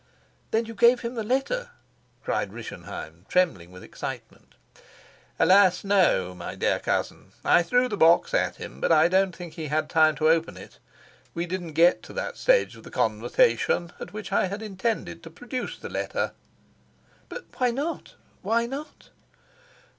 "Then you gave him the letter?" cried Rischenheim, trembling with excitement. "Alas, no, my dear cousin. I threw the box at him, but I don't think he had time to open it. We didn't get to that stage of the conversation at which I had intended to produce the letter." "But why not why not?"